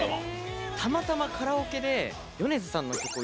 たまたまカラオケで米津さんの曲を入れてて。